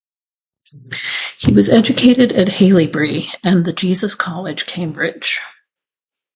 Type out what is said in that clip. He was educated at Haileybury and the Jesus College, Cambridge.